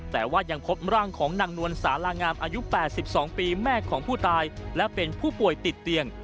แต่ว่ายังพบร่างของนางนวลสารางามอายุ๘๒ปีแม่ของผู้ตายและเป็นผู้ป่วยติดเตียง